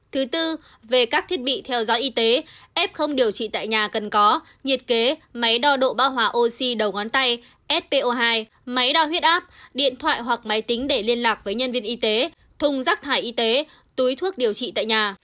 thứ tư về các thiết bị theo dõi y tế f không điều trị tại nhà cần có nhiệt kế máy đo độ ba hòa oxy đầu ngón tay spo hai máy đo huyết áp điện thoại hoặc máy tính để liên lạc với nhân viên y tế thùng rác thải y tế túi thuốc điều trị tại nhà